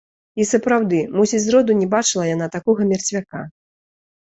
І сапраўды, мусіць зроду не бачыла яна такога мерцвяка.